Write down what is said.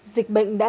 dịch bệnh đã